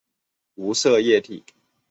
无色液体。